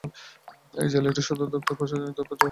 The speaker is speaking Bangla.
এই জেলাটির সদর ও প্রশাসনিক দপ্তর রয়েছে সোলান শহরে।